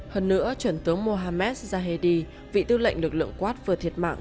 hơn nữa trưởng tướng mohammed zahedi vị tư lệnh lực lượng quds vừa thiệt mạng